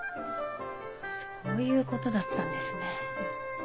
そういう事だったんですね。